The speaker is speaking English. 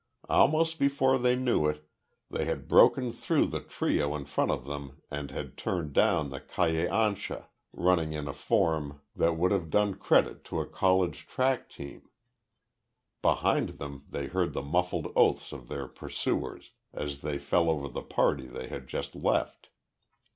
Almost before they knew it, they had broken through the trio in front of them and had turned down the Calles Ancha, running in a form that would have done credit to a college track team. Behind them they heard the muffled oaths of their pursuers as they fell over the party they had just left.